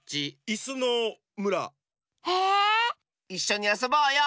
いっしょにあそぼうよ。